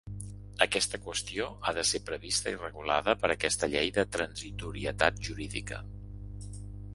Aquesta qüestió ha de ser prevista i regulada per aquesta llei de transitorietat jurídica.